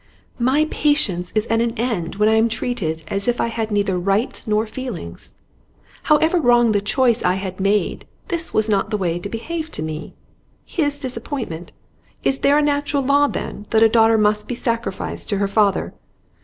'My patience is at an end when I am treated as if I had neither rights nor feelings. However wrong the choice I had made, this was not the way to behave to me. His disappointment? Is there a natural law, then, that a daughter must be sacrificed to her father?